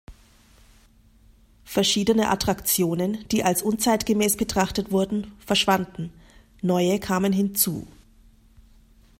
Verschiedene 'Attraktionen', die als unzeitgemäß betrachtet wurden, verschwanden, neue kamen hinzu.